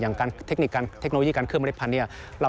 อย่างเทคโนโลยีการเคลือบเมล็ดพันธุ์